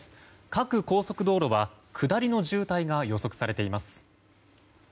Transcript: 各高速道路は下りの渋滞が予測されています。